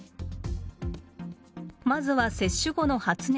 まずは接種後の発熱。